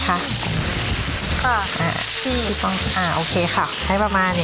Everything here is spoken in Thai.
ค่ะอ่าพี่ป้องอ่าโอเคค่ะให้ประมาณนี้ค่ะ